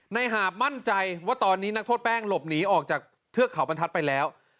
หาบมั่นใจว่าตอนนี้นักโทษแป้งหลบหนีออกจากเทือกเขาบรรทัศน์ไปแล้ว